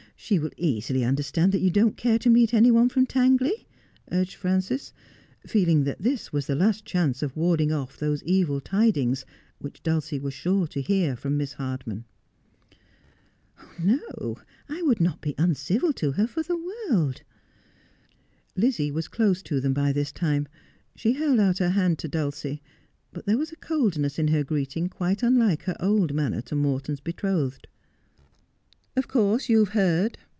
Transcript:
She will easily understand that you don't care to meet any one from Tangley,' urged Frances, feeling that this was the last chance of warding off those evil tidings which Dulcia was sure to hear from Miss Htrdman. 20G Just as I Am. ' No, I would not be uncivil to her for the world. 1 Lizzie was close to them by this time. She held out her hand to Dulcie, but there was a coldness in her greeting quite unlike her old manner to Morton's betrothed. ' Of course, you have heard